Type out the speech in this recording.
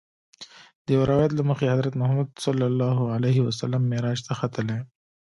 د یوه روایت له مخې حضرت محمد صلی الله علیه وسلم معراج ته ختلی.